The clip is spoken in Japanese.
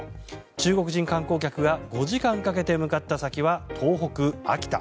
中国人観光客が５時間かけて向かった先は東北・秋田。